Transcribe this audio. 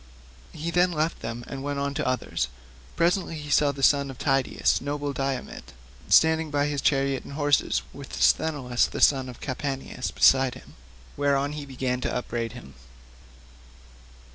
He then left them and went on to others. Presently he saw the son of Tydeus, noble Diomed, standing by his chariot and horses, with Sthenelus the son of Capaneus beside him; whereon he began to upbraid him.